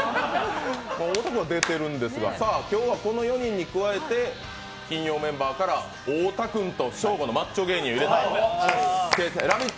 太田君は出てるんですが、今日はの４人に加えて金曜メンバーから太田君とショーゴのマッチョ芸人を入れた「ラヴィット！」